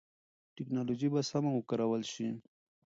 ټکنالوژي به سمه وکارول شي.